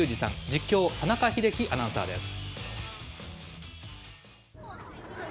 実況は田中秀樹アナウンサーです。